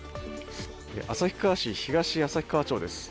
旭川市東旭川町です。